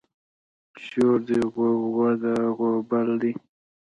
شور دی غوغه ده غوبل دی